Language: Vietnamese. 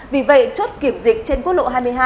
vì vậy chốt kiểm dịch trên quốc lộ hai mươi hai